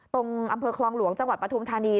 ตรงอำเภอคลองหลวงจังหวัดปฐุมธานี